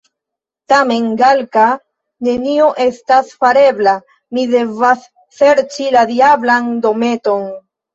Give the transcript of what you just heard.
Tamen, Galka, nenio estas farebla, mi devas serĉi la diablan dometon!